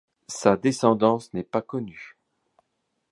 Sa descendance n'est pas connue.